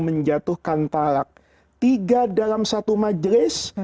menjatuhkan talak tiga dalam satu majelis